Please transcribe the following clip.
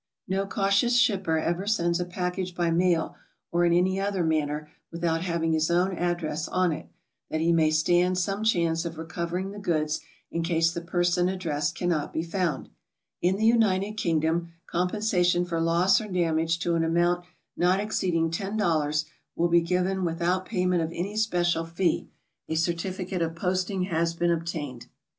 No cautious shipper ever sends a package by mail or in any other manner without having his own ad dress on it, that he may stand some chance of recovering the goods in case the person addressed cannot be found. In the United Kingdom compensation for loss or damage to an amount not exceeding $10 will be given without payment of any speciail fee, if a certificate of poiating has been obtained. 2 lO GOING ABROAD?